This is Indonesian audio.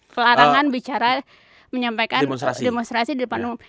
pelarangan bicara menyampaikan demonstrasi di depan umum